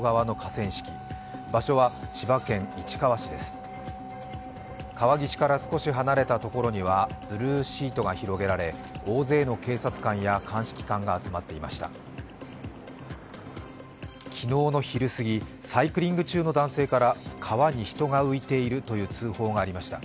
川岸から少し離れたところにはブルーシートが広げられ大勢の警察官や鑑識官が集まっていました。